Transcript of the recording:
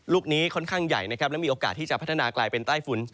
ลูกนี้ค่อนข้างใหญ่นะครับและมีโอกาสที่จะพัฒนากลายเป็นใต้ฝุ่น